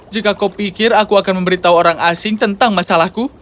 jika kau pikir aku akan memberitahu orang asing tentang masalahku